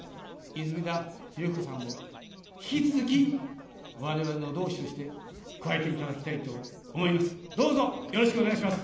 泉田裕彦さんを引き続きわれわれの同志として加えていただきたいと思います。